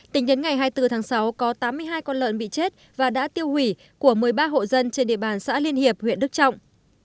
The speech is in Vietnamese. tính đến ngày hai mươi bốn tháng sáu có tám mươi hai con lợn bị chết và đã tiêu hủy của một mươi ba hộ dân trên địa bàn xã liên hiệp huyện đức trọng